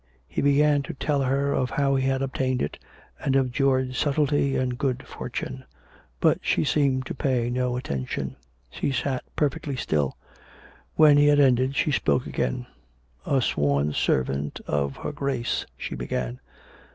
He began to tell her of how he had obtained it, and of George's subtlety and good fortune; but she seemed to pay no attention. She sat perfectly still. When he had ended, she spoke again. " A sworn servant of her Grace " she began.